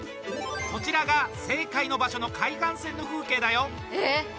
こちらが正解の場所の海岸線の風景だよ。